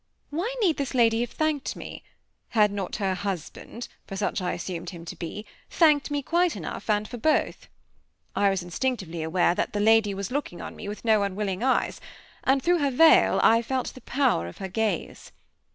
Why need this lady have thanked me? Had not her husband, for such I assumed him to be, thanked me quite enough and for both? I was instinctively aware that the lady was looking on me with no unwilling eyes; and, through her veil, I felt the power of her gaze.